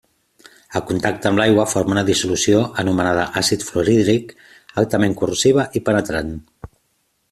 En contacte amb l'aigua forma la dissolució anomenada àcid fluorhídric, altament corrosiva i penetrant.